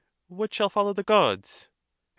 What shall follow the Gods? Her.